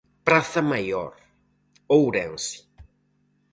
Praza Maior, Ourense.